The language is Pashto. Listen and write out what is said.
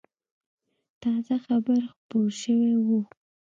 تازه خبر خپور شوی و.